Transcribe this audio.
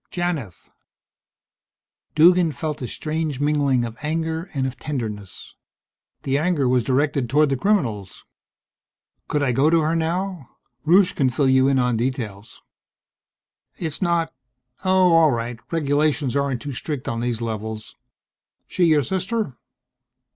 "Janith." Duggan felt a strange mingling of anger and of tenderness. The anger was directed toward the criminals. "Could I go to her now? Rusche can fill you in on details." "It's not oh, all right. Regulations aren't too strict on these levels. She your sister?"